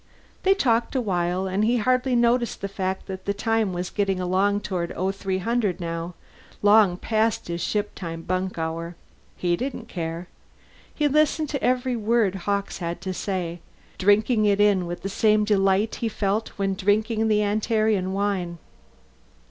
They talked a while, and he hardly noticed the fact that the time was getting along toward 0300 now, long past his shiptime bunk hour. He didn't care. He listened to every word Hawkes had to say, drinking it in with the same delight he felt when drinking the Antarean wine.